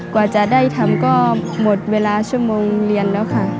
กว่าจะได้ทำก็หมดเวลาชั่วโมงเรียนแล้วค่ะ